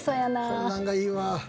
こんなんがいいわ。